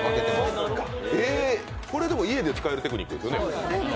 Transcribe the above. これでも家で使えるテクニックですよね